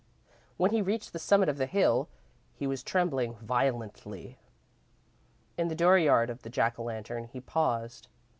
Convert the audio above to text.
When he reached the summit of the hill, he was trembling violently. In the dooryard of the Jack o' Lantern, he paused.